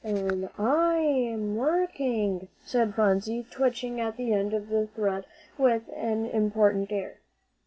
"An' I'm working," said Phronsie, twitching at the end of the thread with an important air.